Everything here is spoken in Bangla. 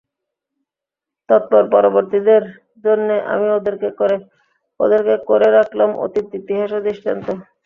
তৎপর পরবর্তীদের জন্যে আমি ওদেরকে করে রাখলাম অতীত ইতিহাস ও দৃষ্টান্ত।